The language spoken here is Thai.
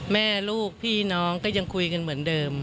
แม่ลูกพี่น้องก็ยังคุยกันเหมือนเดิม